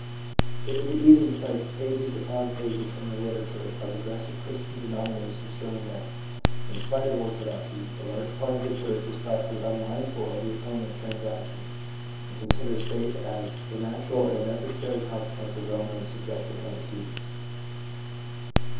It would be easy to cite pages upon pages from the litera ture of aggressive Christian denominations showing that, in spite of orthodoxy, a large part of the church is practically unmindful of the atonement transaction, and considers faith as the natural and necessary consequence of well known subjec tive antecedents.